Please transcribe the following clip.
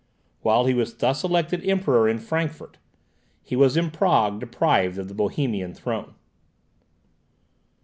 While he was thus elected Emperor in Frankfort, he was in Prague deprived of the Bohemian throne.